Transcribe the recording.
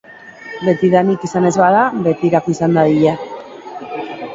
Betidanik izan ez bada, betirako izan dadila!